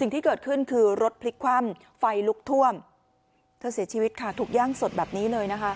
สิ่งที่เกิดขึ้นคือรถพลิกคว่ำไฟลุกท่วมเธอเสียชีวิตค่ะถูกย่างสดแบบนี้เลยนะคะ